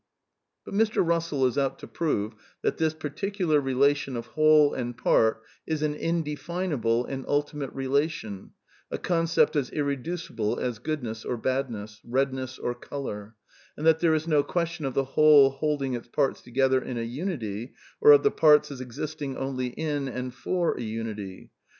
But Mr. Russell is out to prove that this particular \^ relation of whole and part is an indefinable and ultimate^n^ relation, a concept as irreducible as goodness or badness, redness or colour, and that there is no question of the whole holding its parts together in a unity, or of the parts as existing only in and for a unity.